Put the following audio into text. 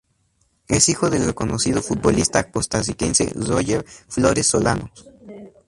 Es hijo del reconocido futbolista costarricense Róger Flores Solano.